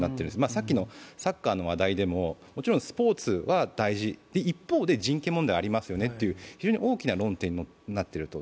さっきのサッカーの話題でももちろんスポーツは大事、一方で人権問題がありますよねと、非常に大きな論点になっていると。